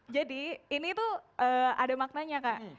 ini tuh ada maknanya kak